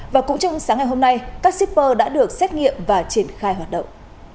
và cũng trong sáng ngày hôm nay các shipper đã được xét nghiệm và triển khai hoạt động